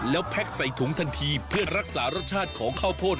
แล้วแพ็กใส่ถุงทันทีเพื่อรักษารสชาติของข้าวโพด